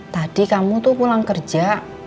tadi kamu tuh pulang kerja